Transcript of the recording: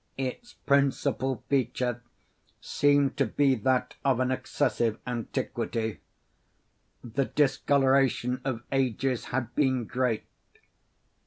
Its principal feature seemed to be that of an excessive antiquity. The discoloration of ages had been great.